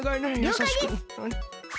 りょうかいです！